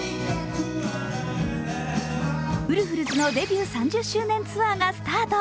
ウルフルズのデビュー３０周年ツアーがスタート。